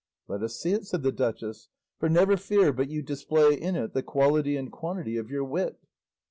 "Let us see it," said the duchess, "for never fear but you display in it the quality and quantity of your wit."